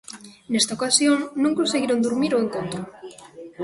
Nesta ocasión non conseguiron durmir o encontro.